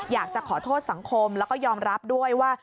อยากจะขอโทษสังคมแล้วก็ยอมรับด้วยว่า